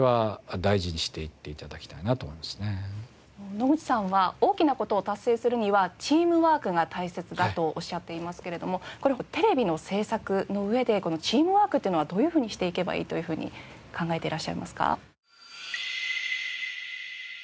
野口さんは大きな事を達成するにはチームワークが大切だとおっしゃっていますけれどもこれテレビの制作の上でチームワークというのはどういうふうにしていけばいいというふうに考えてらっしゃいますか？